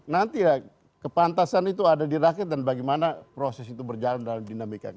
nanti ya kepantasan itu ada di rakyat dan bagaimana proses itu berjalan dalam dinamika kita